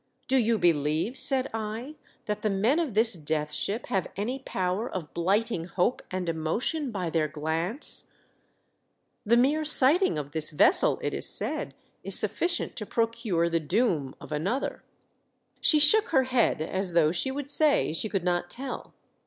" Do you believe," said I, "that the men of this Death Ship have any power of blighting hope and emotion by their glance ? The mere sighting of this vessel, it is said, is sufficient to procure the doom of another !" She shook her head as though she would say she could not tell.